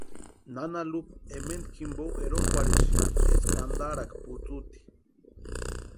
Nana Lupa ementa jimpo erokwarhisïnti eska antaraaka putsuti.